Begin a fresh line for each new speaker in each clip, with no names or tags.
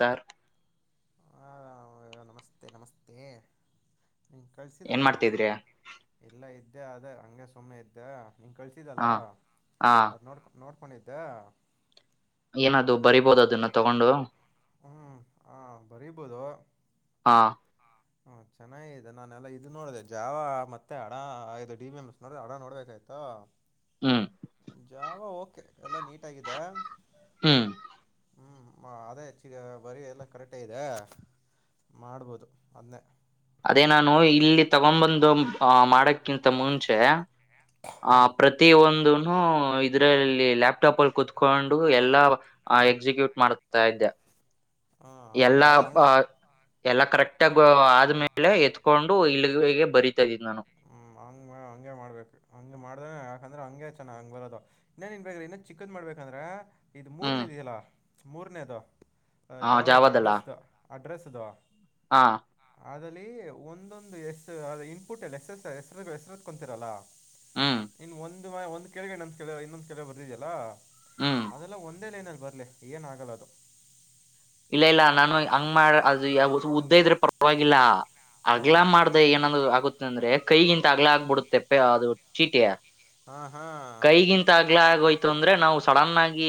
Sir
ಹಾಂ ನಮಸ್ತೆ ನಮಸ್ತೆ ನಿ
ಏನ್
ಕಳ್ಸಿದಲ್ಲ
ಮಾಡ್ತಿದ್ರಿ
[unintelligible] ಎಲ್ಲ ಇ ಎ ಅದೇ ಹಂಗೆ ಸುಮ್ಮನೆ ಇದ್ದೆ ನಿ ಕಳ್ಸಿದಲ್ಲ
ಹಾ ಹಾ
ಅದ ನೋಡ್ ನೋಡ್ ಕೊನಿದ್ದೆ
ಏನದು ಬರಿಬೋದ ಅದನ್ನ ತಗೊಂಡು
ಹಾ ಬರಿಬೋದು.
ಹಾ
ಹ್ಮ ಚೆನ್ನಾಗಿದೆ ನಾನೆಲ್ಲಾ ಇದು ನೋಡಿದೆೆ ಜಾವ ಮತ್ತೆ ಹಡ ಇದು ಡಿ ಬಿ ಎಮ್ ನೋಡ್ರ ಹಡ ನೋಡ್ಬೇಕ್ ಅ
ಹ್ಮ್
ಜಾವ ಓಕೆ ಎಲ್ಲಾ ನೀಟ ಆಗಿದೆ.
ಹ್ಮ.
ಹ್ಮ ಅದೇ ಈಗ ಬರಿ ಎಲ್ಲ ಕರೆಕ್ಟೇ ಇದೆ ಮಾಡ್ಬೋದು ಅದ್ನೇ
ಎ ನಾನು ಇಲ್ಲಿ ತಗೊಂದ ಬಂದು ಮಾಡಕ್ ಕಿಂತ ಮುಂಚೆ ಆ
ಹ್ಞೂ
ಪ್ರತಿ ಒಂದುನ್ ನೂ ಇದ್ರಲ್ಲಿ ಲ್ಯಾಪ್ಟಾಪ್ ಅಲ್ಲಿ ಕುತ್ಕೊಂಡು ಎಲ್ಲಾ ಎಕ್ಸಿಕ್ಯೂಟ್ ಮಾಡ್ತಾ ಇದ್ದೆ.
ಹಾಂ
ಎಲ್ಲ
ಹಂಗೆ ಅದು ಹಂಗೆ
ಎಲ್ಲ ಕರೆಕ್ಟ್ ಬ ಆದ್ಮೇ ಎತ್ಕೊಂಡು ಇಲ್ಲಿಗೆ ಗೆ ಬರಿತಾ ಇದೀನಿ ನಾನು
ಹ್ಮ ಹಂಗಂ ಹಂಗೆ ಮಾಡ್ಬೇಕ ಹಂಗ ಮಾಡ್ದ್ರೆ ಯಾಕಂದ್ರೆ ಹಂಗೆ ಚೆನ ಹಂಗ ಬರದು ಇನ್ನೇನ [unintelligible] ಇನ್ಮೇನ ಚಿಕ್ಕದ ಮಾಡ್ಬೇಕಂದ್ರೆ ಇದ
ಹ್ಮ್
ಮೂರನೇದ ಇದೆಯಲ್ಲಾ ಮೂರನೇದ ಅ
ಹ
ಜಾವದಲ್ಲ ಅಡ್ರೆಸ್ದು ಅಡ್ರೆಸ್ದು
ಹಾ
ಅದಲ್ಲಿ ಒಂದೊಂದ ಎಸ್ ಅದ ಇನ್ಪುಟ್ ಹೆಸಸ್ ಹೆಸ್ ಎ ಹೆಸರ ಹೆಸರುದಕೊಂತೀರಲ್ಲ
ಹ್ಮ್
ಇನ್ ಒಂದ ಮ ಒಂದ ಕೆಳಗ ಇನ್ನೊಂದ ಕೆಳಗ ಇನ್ನೊಂದ ಕೆಳಗ ಬರ್ದಿದಲ್ಲಾ
ಹ್ಮ್
ಅದೆಲ್ಲ ಒಂದೇ ಲೈನಲ್ಲಿ ಬರ್ಲಿ ಏನ ಆಗಲ್ಲ ಅದು
ಇಲ್ಲ ಇಲ್ಲ ನಾನು ಹಂಗ ಮಾಡ ಅದು ಯ ಉದ್ದ ಇದ್ರೆ ಪರವಾಗಿಲ್ಲ. ಅಗ್ಲ
ಹಾಂ
ಮಾಡ್ದ ಏನ್ ಆಗುತ್ತೆ ಅಂದ್ರೆ ಕೈಗಿಂತ ಅಗ್ಲ ಆಗ್ಬಿಡುತ್ತೆ ಪ್ಪೆ ಅದು ಚೀಟಿ
ಹಾಂ ಹಾಂ
ಕೈಗಿಂತ ಆಗ್ಲ ಆಗೋಯ್ತು ಅಂದ್ರೆ ನಾವ ಸಡನ್ ಆಗಿ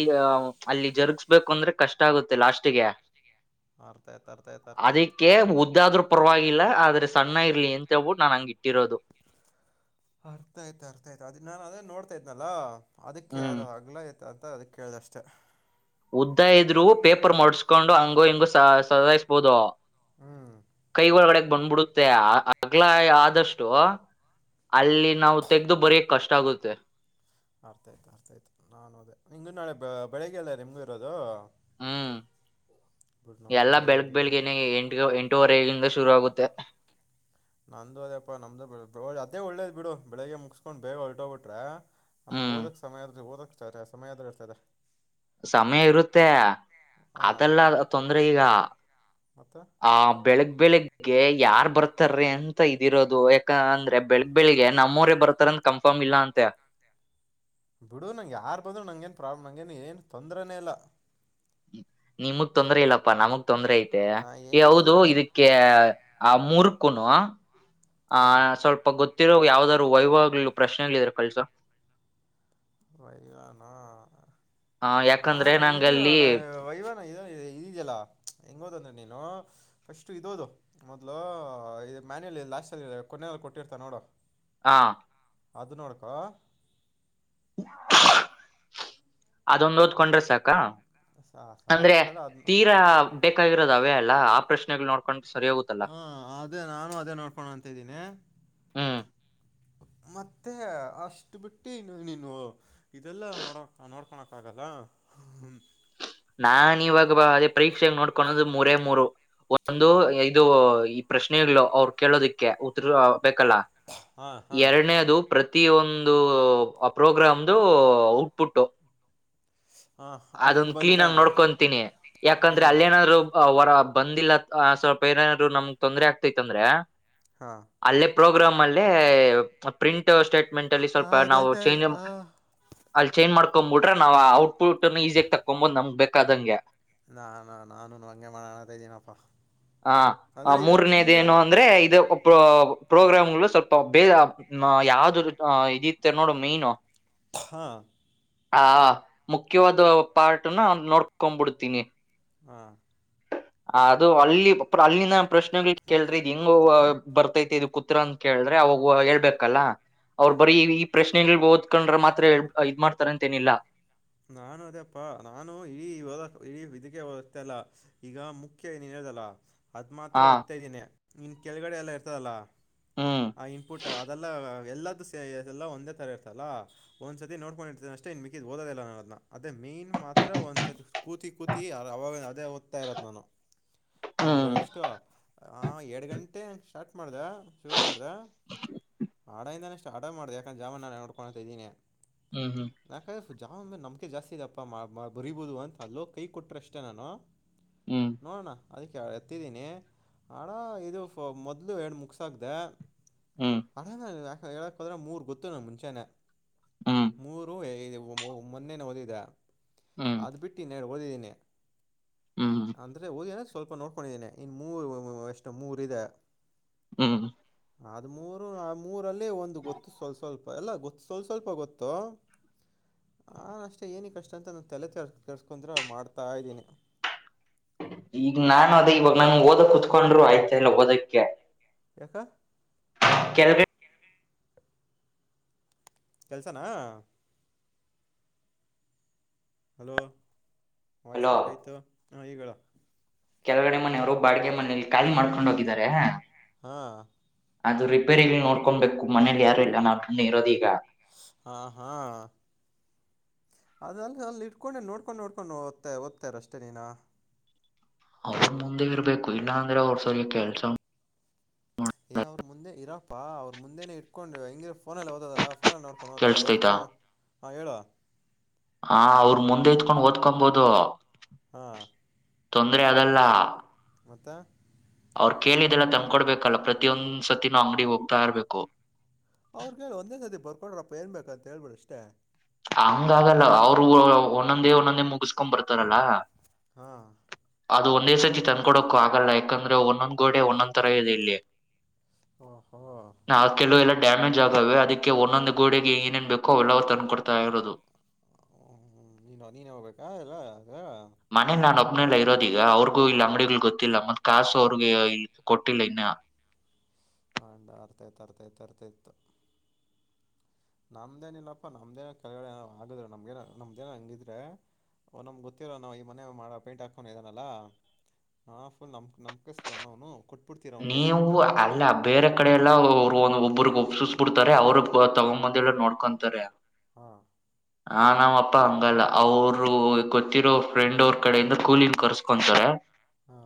ಅಲ್ಲಿ ಜರುಗ್ಸ್ಬೇಕು ಅಂದ್ರೆ ಕಷ್ಟ ಆಗುತ್ತೆ ಲಾಸ್ಟ್ ಗೆ
ಅರ್ಥ ಆಯ್ತು ಅರ್ಥ ಆಯ್ತು ಅರ್ಥ ಆಯ್ತು
ಅದಕ್ಕೆ ಉದ್ದಾದ್ರೂ ಪರವಾಗಿಲ್ಲ ಆದ್ರೆ ಸಣ್ಣ ಇರ್ಲಿ ಅಂ ಳ್ಬಿಟ್ಟ ನಾನ್ ಹಂಗ ಇಟ್ಟಿರೋದು.
ಅರ್ಥ ಆಯ್ತ ಅರ್ಥ ಆಯ್ತ ಅದ್ ನಾನ್ ಅದೇ ನೋಡ್ತಾ ಇದ್ನಲ್ಲಾ ಅದಕ್ಕೆ
ಹ್ಮ್
ಅದ ಅಗ್ಲಾ ಆಯ ದ ಅದಕ ಕೇಳ್ದಷ್ಟೆ.
ಉದ್ದ ಇದ್ರು ಪೇಪರ್ ಮಡ್ಸ್ಕೊಂಡು ಹಂಗು ಹಿಂಗೋ ಸದಾಯಸ್ಬೋದು.
ಹ್ಮ್
ಕೈ ಒಳಗಡೆಗ ಬಂದ್ಬಿಡುತ್ತೆ ಅಗ್ಲ ಆದಷ್ಟು ಅಲ್ಲಿ ನಾವು ತೆಗ್ದ ಬರ ಕಷ್ಟ ಆಗುತ್ತೆ.
ಅರ್ಥ ಆಯ್ತ ಅರ್ಥಾಯ್ತ ನಾ ನಿಂಗು ನಾಳೆ ಬೆಳಿಗ್ಗೆ ಎಲ್ಲ ರಿವಿ ಇರೋದು.
ಹ್ಮ
ಬಿಡು ನಮಗೂ
ಎಲ್ಲಾ
ಬೆಳಗ್ಗೆ
ಬೆಳಗ್
ಮುಗ್ದು
ಬೆಳಗನೇ ಎಂಟ ಎಂಟವರೆಗ ಶುರುವಾಗುತ್ತೆ.
ನಂದು ಅದೇಪ್ಪಾ ನಮ್ದು ಅದೇ ಒಳ್ಳೇದ ಬಿಡು ಬೆಳಿಗ್ಗೆ ಮುಗಸ್ಕೊಂಡ ಬೇಗ ಹೊರಟೊಗ್ಬಿಟ್ರೆ ಅಮ್ಮ
ಹ್ಮ್
ಓದಕ್ ಸಮಯ ಆದ್ರೂ ಓದಕ ಸಮಯ ಆದ್ರೂ ಇರ್ತ್ರದ.
ಸಮಯ ಇರುತ್ತೆ
ಹಾಂ
ಅದಲ್ಲ ತೊಂದ್ರೆ ಈಗ
ಮತ್ತು
ಆ ಬೆಳಗ್ ಬೆಳಗ್ ಗೆ ಯಾರ ಬರ್ತಾರಿ ಅಂತ ಇದಿರೋದು ಯಾಕ ಅಂದ್ರೆ ಬೆಳಗ್ ಬೆಳಿಗ್ಗೆ ನಮ್ಮವರೇ ಬರ್ತಾರಂತ ಕಂಫ ಮಿಲ್ಲಾ ಅಂತೇ
ಬಿಡು ನಂಗೆ ಯಾರ್ ಬಂದ್ರು ನಂಗೇನು ಪ್ರಾಬ್ಲಮ್ ಏನ್ ಏನ್ ತೊಂದ್ರನೆ ಇಲ್ಲ
ನಿಮಗ್ ತೊಂದ್ರ ಇಲ್ಲಪ್ಪಾ ನಮ್ಮಗ್ ತೊಂದ್ರ ಐತೆ
ನಾ ಹೆಂಗಿದ್ರು
ಯಾವದು
ನಾನು
ಇದಕ್ಕೆ ಆ ಮೂರ್ಕುನು ಹ
ಹಾಂ
ಸ್ವಲ್ಪ ಗೊತ್ತು ಗತ್ತಿರೋಗ ಯಾವ್ದಾದ್ರು ವೈವಗಳು ಪ್ರಶ್ನೆಗ್ಗಳಿದ್ರ ಕಳಿಸು
ವೈವನಾ
ಆ
ಹಾ
ಯಾಕಂದ್ರೆ
ಅಣ್ಣ ಇದು
ನಂಗಲ್ಲಿ
ನಾ ವೈವನ ಈ ಇದಿಯೆಲ್ಲಾ ಹೆಂಗ್ ಓದಿದ್ರೆ ನೀನು ಫಸ್ಟ್ ಇದು ಓದು ಮೊದ್ಲು ಇ ಮಾನ್ಯುಯಲ್ ಲಾಸ್ಟ್ ಅಲ್ಲಿ ಕೊನೆಯಲ್ಲಿ ಕೊಟ್ಟಿರ್ತ ನೋಡು
ಹಾ
ಅದು ನೋಡ್ಕಕೊ
ಅದೊಂದು ಓದಕೊಂಡ್ರೆ ಸಾಕ
ಸಾ
ಅಂದ್ರೆ
ಸಾಕಂತಲ್ಲ ಅದು
ತೀರಾ ಬೇಕಾಗಿರೋದೇ ಅವೇ ಅಲ್ಲ ಆ ಪ್ರಶ್ನೆಗಳು ನೋಡ್ಕೊಂಡು
ಹಾ ಅದೇ ನಾನು ಅದೇ ನೋಡ್ಕೋಣ ಅಂತ್ದೀನಿ
ಹ್ಮ್
ಮತ್ತೆ ಅಷ್ಟು ಬಿಟ್ಟಿನ್ನು ನೀನು ಇದೆಲ್ಲ ನೋಡಕ್ ನೋಡ್ಕೊಳಕ್ ಆಗುತಾ ಹ್ಮ್
ನಾ ಇವಾಗ ಅದೇ ಪರೀಕ್ಷೆಗ್ ನೋಡ್ಕದು ಮೂರೇ ಮೂರು ಒಂದು ಇದು ಈ ಪ್ರಶ್ನೆಗಳು ಅವರು ಕೇಳೋದಕ್ಕೆ ಉತ್ತರ ಬೇಕಲ್ಲ
ಹಾಂ ಹಾಂ
ಎರಡನೇದು ಪ್ರ ಪ್ರತಿ ಒಂದು ಪ್ರೋಗ್ರಾಮ್ದ ಔಟ್ ಪುಟ್
ಹ ಅದ ಹೆಂಗ್ ಬಂತು ಅಂತ
ನೋಡ್ಕೊತೀನಿ
ಹ್ಞೂ
ಯಾಕಂದ್ರೆ ಅಲ್ಲಿೇನಾದ್ರು ಅವರ ಬಂದಿಲ್ಲ ಸ್ವಲ್ಪೇರರು ನಮ್ಗ್ ತೊಂದ್ರರೆ ಆಗ್ತೈತ್ ಅಂದ್ರೆ
ಹಾ
ಪ್ರೋಗ್ರಾಮ್ ಅಲ್ಲಿ ಪ್ರಿಂಟ್ ಸ್ಟೇಟ್ಮೆಂಟ್ ಅಲ್ಲಿ
ಹಾಂ
ಸ್ವಲ್ಪ ನಾವು ಚೇಂಜ್
ಗೊತ್ತಾಯ್ತು
ಅಲ್ಲಿ ಚೇಂಜ್ ಮಾಡಕ್ಂಬ ಬಿಟ್ರೆ ನಾವ್ ಆ ಔಟ್ಪುಟ್ ನ ಈಸಿಯಾಗ ತಕೊಂಬೋದು ನಮ್ ಬೇಕಾದಂಗೆ
ನಾನಾ ನಾನು ಹಂಗೆ ಮಾಡಣ ಅಂತ ಇದ್ದೀನಪ್ಪಾ
ಹ ಮೂರನೇದೇಏನು ಅಂದ್ರೆ ಇದು ಪ್ರೋಗ್ರಾಮ್ ಸ್ವಲ್ಪ ಬೇರೆ ಯಾವ್ದ ಇದ ಇರುತ್ತೆ ನೋಡು ಮೈನು
ಹಾ
ಮುಖ್ಯವಾದ ಪಾರ್ಟನ ನೋಡ್ಕೊಬಿಡ್ತೀನಿ
ಹಾ
ಅದು ಅಲ್ಲಿ ಅಲ್ಲಿನ ಪ್ರಶ್ನೆಗಳು ಕೇಳ್ರಿ ಇದ್ ಹೆಂಗ ಬರ್ತೈತಿ ಇದುಕ್ಕೆ ಉತ್ತರ ಅಂತ ಕೇಳಿದ್ರೆ ಅವಾಗ ಹೇಳ್ಬೇಕಲ್ಲ ಅವ್ರರು ಬರೀ ಈ ಪ್ರಶ್ನೆಗಳ ಓದ್ಕೊಂಡ್ರ ಮಾತ್ರ ಇದ್ ಮಾಡ್ತಾರಂತೇನಿಲ್ಲ
ನಾನು ಅದೇಪ್ಪಾ ನಾನು ಇಡೀ ಇಡೀ ಇದಕ್ಕೆ ವತ್ತೇ ಅಲ್ಲ ಈಗ ಮುಖ್ಯ ಏನ ಇದಲ್ಲ ಅದು ಮಾತ್ರ
ಹಾ
ಓದ್ತಾಯ ಇದ್ದೀನಿ ಇನ್ನು ಕೆಳಗಡೆ ಎಲ್ಲ ಇರ್ತದಲ್ಲ
ಹ್ಮ್
ಆ ಇನ್ಪುಟ್ ಅದೆಲ್ಲ ಎಲ್ಲಾದು ಎಲ್ಲ ಒಂದೇ ತರ ಇರ್ತಲ್ಲ ಒಂದ್ ಸತಿ ನೋಟ್ಕೊಂಡಿರ್ತೇ ಅಷ್ಟೇ ಮಿಕ್ಕಿದು ಓದೋದೇ ಇಲ್ಲ ನಾನು ಅದೇ ಮೇನ್ ಮಾತ್ರ ಒಂದ್ಸತಿ ಕೂತಿ ಕೂತಿ ಅವಾಗ ಅದೇ ಓದ್ತಾ ಇರೋದ್ ನಾನು ನಂದು
ಹ್ಮ್
ಎಷ್ಟು ಆ ಎರಡ್ ಗಂಟೆ ಸ್ಟಾರ್ಟ್ ಮಾಡ್ದ ಶುರು ಮಾಡ್ದ ಅಡಯಿಂದಾನೆ ಅಡ ಮಾಡ್ದ ಯಾಕ ಜಾವಾ ನಾನ್ ವರ್ಕ್ ಮಾಡ್ತಿದಿದೀನಿ
ಹ್ಮ್ ಹ್ಮ್
ಜಾವ ಮೇಲೆ ನಂಬಿಕೆ ಜಾಸ್ತಿ ಇದಪ್ಪ ಬರಿಬಹುದು ಅಂತ ಅಲ್ಲೋ ಕೈ ಕೊಟ್ರೆ ಅಷ್ಟೇ ನಾನು
ಹ್ಮ್
ನೋಡೋಣ ಅದಕ್ಕೆ ಎತ್ತಿದ್ದೀನಿ ಅಡ ಇದು ಮೊದಲು ಎರಡು ಮುಗಿಸಿದ್ದೆ ಅಣ್ಣ ಹೇಳಕ್ಕೆ ಹೋದ್ರೆ ಮೂರ್ ಗೊತ್ತು ನನಗೆ ಮುಂಚೆನೆ
ಹ್ಮ್
ಮೂರು ಮೊನ್ನೆನ ಓದಿದ
ಹ್ಮ್ ಹ್ಮ್
ಅದು ಬಿಟ್ಟು ಇನ್ನೆರಡು ಓದಿದ್ದೀನಿ
ಹ್ಮ್
ಅಂದರೆ ಓದಿ ಸ್ವಲ್ಪ ನೋಡ್ಕೊಂಡಿದ್ದೀನಿ ಇನ್ನು ಮೂರು ಎಷ್ಟು ಮೂರ ಇದೆ
ಹ್ಮ್
ಅದ್್ಮರು ಆ ಮೂರಲ್ಲೇ ಒಂದು ಗೊತ್ತು ಸ್ವಲ್ ಸ್ವಲ್ಪ ಎಲ್ಲ ಗೊತ್ತು ಸ್ವಲ್ಪ ಸ್ವಲ್ಪ ಗೊತ್ತು [inaudible] ನಾನ ಅಷ್ಟೇ ಏನ ಕಷ್ಟ ಅಂತ ನಾನು ತಲೆ ಕೆ ಕೆರ್ಸ್ಕೊಂಡ್ರೆ ಮಾಡ್ತಾ ಇದ್ದೀನಿ
ಈಗ ನಾನು ಅದ ಇವಾಗ ನಂಗಗೆ ಓದಕ್ ಕುತ್ಕೊಂಡ್ರು ಆಯ್ತಾ ಇಲ್ಲ ಓದಕ್ಕೆ
ಯಕ್ಕ
ಕೆಲಗೆ
ಕೆಲ್ಸನಾ ಹಲೋ ವಾಯ್ಸ್ ಕಟ್ ಆಯತು ಹಾಂ ಈಗ
ಕೆಲಗಡೆ ಮನೆಯವರು ಬಾಡ್ಗೆ ಮನೇಲಿ ಕಾಲಿ ಮಾಡ್ಕೊಂಡ ಹೋಗಿದ್ದಾರೆ
ಹಾ
ಅದು ರಿಪೇರಿಲ್ಲಿ ನೋಡ್ಕೊಬೇಕು ಮನೇಲಿ ಯಾರು ಇಲ್ಲ ನಾವು ಣ್ಣಿ ಇರೋದ ಈಗ
ಹಾ ಹಾ ಅದಲ್ಲ ಅಲ್ಲಿ ಇಟ್ಕೊಂಡೆ ನೋಡ್ಕೊಂಡ್ ನೋಡ್ಕೊಂಡು ಓದ್ತ ಓದ್ತಾರ ಅಷ್ಟೇ ನೀನ
ಅವ್ರ ಮುಂದೆ ಇರ್ಬೇಕು ಇಲ್ಲಾಂದ್ರೆ ಅವ್ರ ಸರಿಯ ಕೆಲ್ಸ
ಏ ಅವ್ರು ಮುಂದೆ ಇರಪ್ಪಾ ಅವ್ರು ಮುಂದೆನೆ ಇಟ್ಕೊಂಡು ಹೆಂಗಿರ ಫೋನಲ್ಲಿ ಓದಲ್ಲ ನೋಡ್ಕೊಂಡು ಹೊದ್ತ
ಕೇಳಸ್ತೈತಾ
ಹೊತ್ಕೊಂಡು ಹ ಹೇಳ
ಹ ಅವ್ರ ಮುಂದೆ ಇತ್ಕೊಂಡ್ ಓದ್ಕೊಂಬೋದು
ಹಾ
ತೊಂದ್ರರೆ ಅದಲ್ಲ
ಮತ್ತ
ಅವ್ರು ಕೇಳಿದೆಲ್ಲ ತಂದಕೊಡ್ಬೇಕಲ್ಲ ಪ್ರತಿಯೊಂದ್ಸತಿ ನಾ ಅಂಗಡಿ ಹೋಗ್ತಾ ಇರ್ಬೇಕು
ಅವ್ರು ಕೇಳಿ ಒಂದೇ ಸತಿ ಬರ್ಕೊಡ್ರಪ್ಪ ಏನ್ ಬೇಕಂತ ಹೇಳ್ಬಿಡ ಅಷ್ಟೇ
ಹಂಗ ಆಗಲ್ಲ ಅವ್ರು ಒಂದೊಂದೇ ಒಂದೊಂದೇ ಮುಗಿಸ ಕೊ ಬರ್ತಾರಲ್ಲ
ಹಾಂ
ಅದು ಒಂದೇ ಸರ್ತಿ ತಂದಕೊಡಕ್ಕು ಆಗಲ್ಲ ಯಾಕಂದ್ರೆ ಒಂದೊಂದ್ ಗೋಡೆ ಒಂದೊಂದ್ ತರ ಇದೆ ಇಲ್ಲಿ
ಓಹೋ
ನಾ ಕೆಲುವ ಎಲ್ಲ ಡ್ಯಾಮೇಜ್ ಆಗೆ ಅದಕ್ಕೆ ಒಂದೊಂದು ಗೋಡೆಗೆ ಏನೇನ್ ಬೇಕೋ ಅವೆಲ್ಲವರು ತಂದುಕ ಕೊಡ್ತಾ ಇರೋದು
ಹ್ಮ ನೀನ್ ನೀನ್ ಹೋಗ್ಬೇಕಾ ಇಲ್ಲ ಅ
ನಲ್ಲ ಇರೋದ ಈಗ ಅವ್ರಿಗೂ ಇಲ್ಲ ಅಂಗಡಿಗಳು ಗೊತ್ತಿಲ್ಲ ಮತ್ ಕಾಸು ಅವ್ರಿಗೆ ಇ ಕೊಟ್ಟಿಲ್ಲ ಇನ್ನ
ಹಂಡ ಅರ್ತಯ್ತ ಅರ್ತಯತ ಅರ್ತ ಇತ ನಮ್ದೇನ ಇಿಲ್ಲಪ್ಪಾ ನಮ್ದೇನ ಕೆಳಡೆ ಆಗುದ್ರ ನಮ್ಗೇನ ನಮ್ದೇನ ಹಂಗಿದ್ರೆ ಒ್ ನಮ್ ಗೊತ್ತರಲ್ಲ ನಾವ ಈ ಮನೆ ಮಾಡ ಪೇಂಟ್ ಹಾಕೊಂಡ ಇದನಲ್ಲಾ ಹಾ ಫುಲ್ ನಮ ನಮಕ ಇಸ್ತಾವ ನನು ಕೊಟ್ಟ
ನೀವು ಅಲ್ಲ ಬೇರೆ ಕಡೆ ಎಲ್ಲ ಒಬ್ಬ್ರಗ್ ಸುಸ್ಬಿಡ್ತಾರೆ ಅವರು ತಗೊಂಬಂದ ನೋಡ್ಕೊತಾರೆ
ಹಾ
ಹ ನಾಮಪ್ಪಾ ಹಂಗಲ್ಲ ಅವರು ಗೊತ್ತಿರೋ ಫ್ರೆಂಡ್ ಅವ್ರ ಕಡೆಯಿಂದ ಕೂಲನ್ ಕರ್ಸ್ಕೊಂತಾರೆ
ಹ್ಮ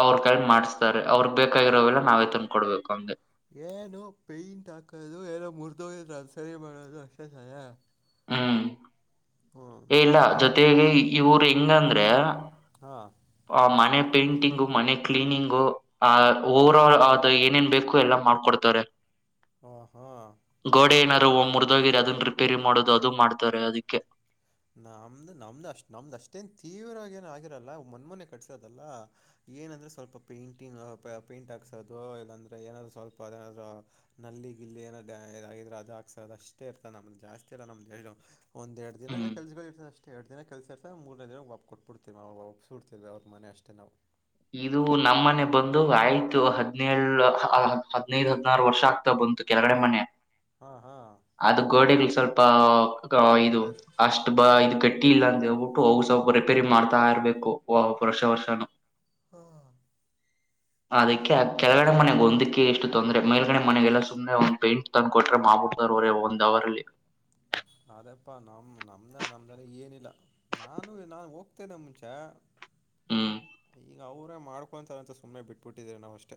ಅವ್ರರು ಕೈ ಮಾಡ್ಸ್ತಾರೆ ಅವ್ರ ಬೇಕಾಗಿರೋವೆಲ್ಲ ನಾವೇ ತಂದ್ಕ ಕೊಡ್ಬೇಕು ಅಂದಗೆ
ಏನೋ ಪೇಂಟ್ ಹಾಕದು ಏನೋ ಮುರ್ಿದೋಗ್ರ ಅಂದ ಸರಿ ಮಾಡದು ಅಷ್ಟೇ ಸಾಯ
ಹ್ಮ್
ಹ್ಞೂ
ಏ ಇಲ್ಲ ಜೊತೆಗೆ ಈ ಊರು ಹೆಂಗಂದ್ರೆ
ಹಾಂ ಹಾಂ
ಮನೆ ಪೇಂಟಿಂಗು ಮನೆ ಕ್ಲೀನಿಂಗು ಆ ಓವರ ಆಲ್ ಅ ಏನೇನ್ ಬೇಕು ಎಲ್ಲಾ ಮಾಡ್ಕೊಡ್ತವಾರೆ
ಹ ಹಾ
ಮುರಿದಾಗಿರಿ ಅದನ್ನ ರಿಪೇರಿ ಮಾಡೋದು ಅದು ಮಾಡ್ತಾರೆ ಅದಕ್ಕೆ
ನಮ್ದು ನಮ್ದು ಅಷ್ಟ್ ನಮ್ದ್ ಅಷ್ಟೇನ್ ತೀವ್ರವಾಗಿಏನ ಆಗಿರಲ್ಲ ಮನ್ಮೊನೆ ಕಟ್ಸೋದಲ್ಲ ಏನಂದ್ರೆ ಸ್ವಲ್ಪ ಪೇಂಟಿಂಗ್ ಪೇಂಟ್ ಹಾಕ್ಸೋದು ಇಲ್ಲಾಂದ್ರೆ ಏನಾದ್ರರು ಸ್ವಲ್ಪ ಅದನಾದ ನಲ್ಲಿ ಈಗ ಇಲ್ಲಿ ಏನ್ರೆ ಅದ ಹಾಕ್ಸ ಅಷ್ಟೇ ಇರ್ತದೆ ನಮ್ದ ಜಾಸ್ತಿರಲ್ಲ ನಮ್ದ ಒಂದೆರಡು ದಿನ
ಹ್ಮ್
ಕೆಲಸಗಳು ಅಷ್ಟೇ ಎರಡು ದಿನ ಕೆಲ್ಸ ಇರ್ತದೆ ಮೂರನೇ ದಿನ ಒಪ್ ಕೊಟ್ಬಿಡ್ತೇವಿ ಅವ್ ವಾಪ್ ಸುಡ್ತೇವಿ ಅವ್ರ ಮನೆ ಅಷ್ಟೇ ನಾವು
ಇದು ನಮ್ಮ ಮನೆ ಬಂದು ಆಯ್ತು ಹದ್ನೇಳ ಹದ್ನೈದು ಹದ್ನಾರು ವರ್ಷ ಆಗ್ತಾ ಬಂತು ಕೆಳಗಡೆ ಮನೆ
ಹಾ ಹಾ
ಅದ ಗೋಡೆಗಳು ಸ್ವಲ್ಪ ಇದು
ಗೊತ್ತಾಯಿತು
ಅಷ್ಟು ಇದು ಗಟ್ಟಿ ಇಲ್ಲ ಅಂದ ಹೇಬಿಟ್ಟು ಹೋಗ ರಿಪೇರಿ ಮಾಡ್ತಾ ಇರ್ಬೇಕು ವರ್ಷ ವರ್ಷನು
ಹಾ
ಅದಕ್ಕೆ ಕೆಳಗಡೆ ಮನೆಗೆಂದಕ್ಕೆ ಎಷ್ಟು ತೊಂದರೆ ಮೇಲ್ಗಡೆ ಮನೆಗೆಲ್ಲ ಸುಮ್ನೆ ಒಂದ್ ಪೇಂಟ್ ತಂದು ಕೊಟ್ರೆ ಮಾಡ್ಬಿಡ್ತಾರೆ ಒಂದ್ ಹೌರ್ ಅಲ್ಲಿ
[inaudible] ಅದಪ್ಪಾ ನಮ ನಮ್ದ ನಮ್ದನೆ ಏನಿಲ್ಲ ನಾನು ನಾ ಹೋಗ್ತೇನೆ ಮುಂಚೆ
ಹ್ಮ್
ಈಗ ಅವರೇ ಮಾಡ್ಕೊಂತಾರೆ ಅಂತ ಸುಮ್ಮನೆ ಬಿಟ್ಬಿಟ್ಟಿದ್ದಾರೆ ನಾವುಷ್ಟೇ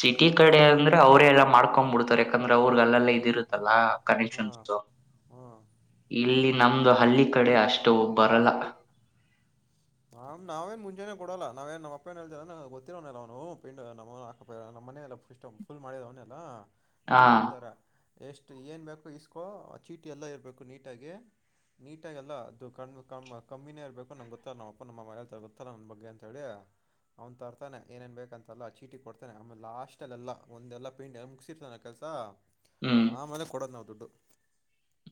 ಸಿಟಿ ಕಡೆ ಅಂದ್ರೆ ಅವ್ರೆಲ್ಲ ಮಾಡ್ಕೊಂಡ್ ಬಿಡ್ತಾರೆ ಯಕಂದ್ರೆ ಅವ್ರಗ್ ಅಲ್ಲೆಲ್ಲ ಇದ ಇರುತ್ತಲ್ಲಾ
ಹಾ
ಕನೆಕ್ಷನ್ಸ್
ಹಾ
[inaudible] ಇಲ್ಲಿ ನಮ್ದು ಹಳ್ಳಿ ಕಡೆ ಅಷ್ಟು ಬರಲ್ಲ
ಹಾ ನಾವೇನ್ ಮುಂಜಾನನೆ ಕೊಡಲ್ಲ ನಾವೇನ್ ನಮ್ಮ ಅಪ್ಪ ಏನಲ್ತ ಗೊತ್ತಿರವನಲ್ಲ ಅವನು ಪಿಂಡ್ ನಮ್ಮಮ್ಮ ಮನೆಯಲ್ಲ [unintelligible] ಫುಲ್ ಮಾಡಿದ ಅವನೆೆಲ್ಲಾ
ಹಾ
ಹೇಳ್ಬಿಡ್ತಾರ ಎಷ್ಟು ಏನು ಬೇಕು ಇಸ್ಕೋ ಆ ಚೀಟಿ ಎಲ್ಲ ಇರಬೇಕು ನೀಟಾಗಿ ನಿಟ್ಟಾಗಿ ಇಲ್ಲ ಅದು ಕಮ್ಮಿನೇ ಇರ್ಬೇಕು ನಂಗ್ ಗೊತ್ತ ನಮ್ಮ್ ಅಪ್ಪ ನಮ್ಮ ಅಮ್ಮ ಏನಂತಾರೆ ಗೊತ್ತ ನಮ್ಮ್ ಬಗ್ಗೆ ಅಂತ ಹೇಳಿ ಅವ್ನು ತರ್ತಾನೆ ಅರಏನೇನ್ ಬೇಕಂತಲ್ಲ ಚೀಟಿ ಕೊಡ್ತಾನೆ ಆಮೇಲೆ ಲಾಸ್ಟ್ ಅಲ್ಲ ಎಲ್ಲಾ ಒಂದೆಲ್ಲ ಪೇಂಟ್ ಮುಗಸಿರ್ತಾನೆ ಕೆಲ್ಸ
ಹ್ಮ್
ಆಮೇಲೆ ಕೊಡೋದ್ ನಾವ್ ದುಡ್ಡು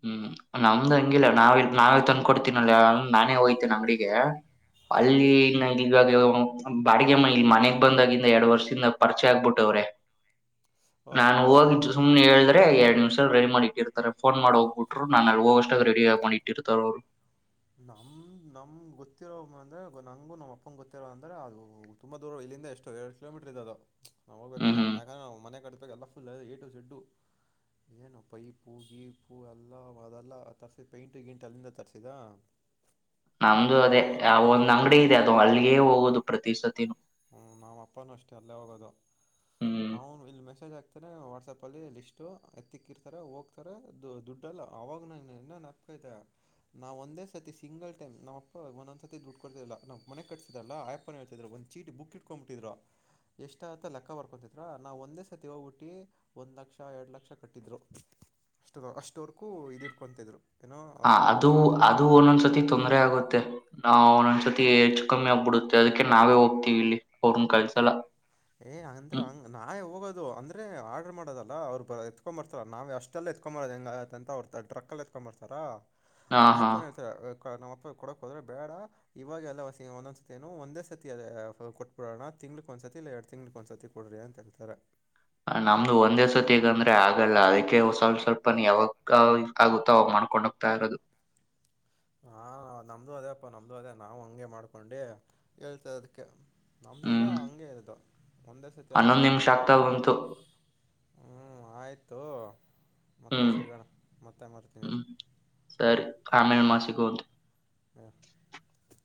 ಹ್ಮ್ ನಮ್ದ್ ಹಂಗಿಲ್ಲ ನಾವೇ ನಾವೇ ತಂದ್ಕೊಂಡಿತಿನಿ ನಾನೇ ಹೋಗಯ್ತೀನಿ ಅಂಗಡಿಗೆ
ಹಾ
ಅಲ್ಲಿ ಈಗ ನಂಗ್ ಇವಾಗ ಇವಗ ಬಾಡಿಗೆ ಮನಿಲ್ಲಿ ಮನೆಗ್ ಬಂದಾಗಿಂದ ಎರಡ್ ವರ್ಷದಿಂದ ಪರಿಚೆ ಆಗ್ಬಿಟ್ಟ ಅವ್ರೆ
ಹಾಂ
ನಾನ್ ಹೋಗಿ
ಹಾಂ
ಸುಮನೆ ಹೇಳಿದ್ರೆ ಎರಡ್ ನಿಮಿಷ ರೆಡಿ ಮಾಡಿಟ್ಟಿರ್ತಾರೆ ಫೋನ್ ಮಾಡ ಹೋಗ ಬಿಟ್ರು ನನ್ ಅಲ್ಲಿ ಹೋಗೋಷ್ಟ್ರಲ್ಲಿ ರೆಡಿಯಾಗಿ ಇಟ್ಟಿರ್ತರೆ ಅವರು
ನಮ್ಮ್ ನಮ್ಮ್ ಗೊತ್ತಿರೋ ಅಂದ್ರೆ ನಂಗು ನಮ್ ಅಪ್ಪನ್ ಗೊತ್ತಿರೋ ಅಂದ್ರೆ ಅದು ತುಂಬಾ ದೂರ ಇಲ್ಲಿಂದ ಎಷ್ಟು ಎರಡ್ ಕಿಲೋಮೀಟರ್ ಇದ್ದ ಅದು ನಾವು
ಹ್ಮ್
ಹೋಗ್ಬೇಕಂದ್ರೆ
ಹ್ಮ್
ನಾವು ಮನೆ ಎಲ್ ಫುಲ್ ಎ ಟು ಝೆಡ್ ಏನು ಪೈಪು ಗೀಪು ಎಲ್ಲಾ ಅದೆಲ್ಲ ತರ್ಸಿ ಪೈಂಟ್ ಗಿಂಟ್ ಅಲ್ಲಿಂದ ತರ್ಸಿದ
ನಮ್ದು ಅದೇ ಒಂದ್ ಅಂಗಡಿ ಇದೆ ಅದು ಅಲ್ಲಿಗೆ ಹೋಗೋದು ಪ್ರತಿ ಸತಿನು
ಹ್ಮ್ ನಮ್ಮ್ ಅಪ್ಪನೂ ಅಷ್ಟೆ ಅಲ್ಲೇ ಹೋಗೋದು
ಹ್ಮ್
ಅವನು ಇಲ್ಲಿ ಮೆಸೇಜ್ ಹಾಕ್ತಾರೆ ವಾಟ್ಸಪ್ ಅಲ್ಲಿ ಲಿಸ್ಟು ಎತ್ತಿಕ್ಕಿರ್ತಾರೆ ಹೋಗ್ತಾರೆ ದುಡ್ಡಲ್ಲ ಅವಾಗ ನನ್ ಇನ್ನ [unintelligible] ನಾವ್ ಒಂದೇ ಸತಿ ಸಿಂಗಲ್ ಟೈಮ್ ನಮ್ಮಪ್ಪ ಒಂದೊಂದು ಸತಿ ದುಡ್ಡು ಕೊಡ್ತಿಲ್ಲ ನಾವು ಮನೆ ಕಟ್ಸತದಲ್ಲ ಹಾ ಯಪ್ಪಾ ಒಂದ ಚೀಟ್ ಬುಕ್ ಇಟ್ಕೊಂಡ್ ಬಿಟ್ಟಿದ್ರು ಎಷ್ಟ ಆಗುತ್ತೆ ಲೆಕ್ಕ ಬರ್ಕೊತಿದ್ರ ನಾವವು ಒಂದೇ ಸತಿ ಹೋಗ್ಬಿಟ್ಟಿದೆ ಒಂದ್ ಲಕ್ಷ ಎರಡ್ ಲಕ್ಷ ಕಟ್ಟಿದ್ರು ಅಷ್ಟ ಅಷ್ಟವರೆಕೂ ಇದ ಇಟ್ಕೊತಿದ್ರು ಏನೋ
ಹಾ
ಕುಡ್ದಿರ
ಅದು ಅದು ಒಂದೊಂದ್ಸತಿ ತೊಂದ್ರ ಆಗುತ್ತೆ ನಾವ್ ಒಂದ್ಸತಿ ಹೆಚ್ಚು ಕಮ್ಮಿ ಆಗ್ಬಿಡುತ್ತೆ ಅದಕ್ಕೆ ನಾವೇ ಹೋಗ್ತಿವಿ ಇಲ್ಲಿ ಅವ್ರನ್ನ ಕಲ್ಸಲ್ಲ
ಹೇ ಅಂದ್ರೆ ಹಂಗ್ ನಾವೇ ಹೋಗೋದು ಅಂದ್ರೆ ಆ ಆರ್ಡರ್ ಮಾಡೋದಲ್ಲ ಅವರು ಎತ್ಕೊಂಬರ್ತಾರ ನಾವು ಅಷ್ಟೆಲ್ಲ ಎತ್ಕೊಂಬೋದು ಹೆಂಗಗತ್ತಂತ ಅಂತ ಅವರು ಟ್ರಾಕ್ ಅಲ್ಲಿ ಎತ್ಕೊಂಬರ್ತಾರಾ ಹಾ ಯಪ್ಪಾ ನಮ್ಮ್ ಅಪ್ಪ ಕೊಡಕ್ ಹೋದ್ರೆ ಬೇಡ ಇವಾಗೆಲ್ಲ ಒಂದೊಂದ್ ಸತಿ ಏನು ಒಂದೇ ಸತಿ ಕೊಟ್ಬಿಡೋಣ ತಿಂಳಕ್ ಒಂದು ಸತಿ ಇಲ್ಲ ಎರಡು ತಿಗಳಕ್ ಒಂದಸತಿ ಕೊಡರಿ ಅಂತ ಹೇಳತಾರೆ
ನಮ್ದು ಒಂದೇ ಸರ್ತಿಗಂದ್ರೆ ಆಗಲ್ಲ ಅದಕ್ಕೆ ಸ್ವಲ್ಪ ಸ್ವಲ್ಪ ಯಾವಾಗ ಆಗುತ್ತಾವ [unintelligible] ಹೋಗ್ತಾ ಇರದು
[inaudible] ಹಾ ನಮ್ದು ಅದೇ ಅಪ್ಪ ನಮ್ದು ಅದೇ ನಾವು ಹಂಗೆ ಮಾಡ್ಕೊಂಡಿ ಹೇಳ್ತ ಅದಕ್ಕೆ ನಮ್ದಲ್ಲಾ
ಹ್ಮ್
ಹಂಗೆ ಇರದು. ಒಂದೇ ಸರ್ತಿ ಎಲ್ಲ
ಹನ್ನೊಂದ್ ನಿಮಿಷ
ಮಾಡವಣವ
ಆಗ್ತಾ ಬಂತು
ಹ್ಮ ಆಯ್ತು. ಮತ್ತೆ
ಹ್ಮ್
ಸಿಗೋಣ ಮತ್ತೆ ಮರ್ತೀನಿ ರೀ
ಹ್ಮ್ ಸರಿ
ಹಾ
[unintelligible]